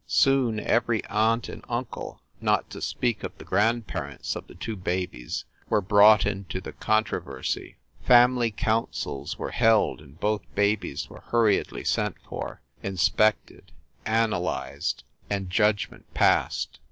Soon every aunt and uncle, not to speak of the grand parents of the two babies were brought into the controversy. Family councils were held and both THE BREWSTER MANSION 339 babies were hurriedly sent for, inspected, analyzed, and judgment passed.